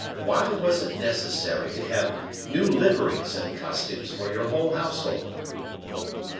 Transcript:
Why was it necessary to have new liveries and costumes for your whole household?"